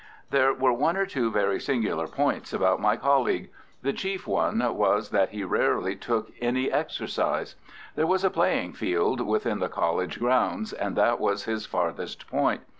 There were one or two very singular points about my colleague. The chief one was that he rarely took any exercise. There was a playing field within the college grounds, and that was his farthest point.